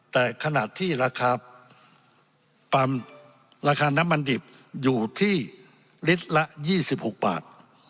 แต่ขณะที่ราคาปั๊มราคาน้ำมันดิบอยู่ที่ลิตรละ๒๖บาท